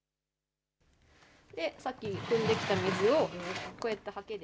さっきくんできた水をこうやったはけで。